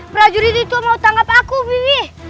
prajurit itu mau tangkap aku wiwi